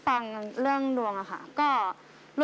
โอ้โหโอ้โหโอ้โหโอ้โห